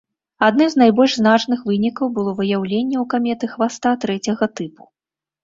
Адным з найбольш значных вынікаў было выяўленне ў каметы хваста трэцяга тыпу.